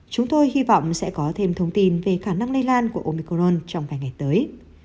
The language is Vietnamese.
chúng tôi hy vọng sẽ có thêm thông tin về khả năng lây lan của onicron trong hai ngày tới